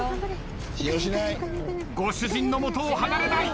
ご主人の元を離れない。